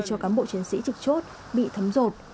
cho cán bộ chiến sĩ trực chốt bị thấm rột